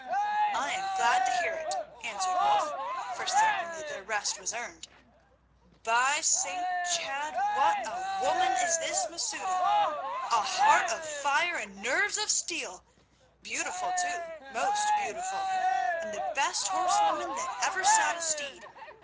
"I am glad to hear it," answered Wulf, "for certainly their rest was earned. By St. Chad! what a woman is this Masouda! A heart of fire and nerves of steel! Beautiful, too—most beautiful; and the best horsewoman that ever sat a steed.